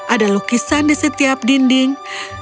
ada lukisan di setiap dinding